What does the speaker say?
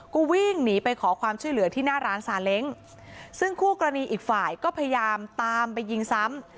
ก็วิ่งหนีไปขอความช่วยเหลือที่หน้าร้านซาเล้งซึ่งคู่กรณีอีกฝ่ายก็พยายามตามไปยิงซ้ำ